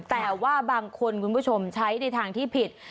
แต่ว่าบางคนคุณผู้ชมใช้ในทางที่ผิด